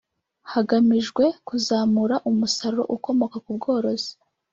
hagamijwe kuzamura umusaruro ukomoka ku bworozi